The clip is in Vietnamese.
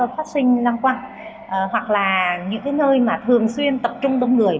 vật sinh lâm quang hoặc là những nơi mà thường xuyên tập trung đông người